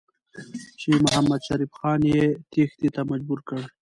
چې محمدشریف خان یې تېښتې ته مجبور کړ.